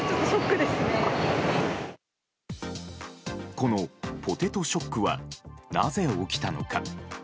このポテトショックはなぜ起きたのか。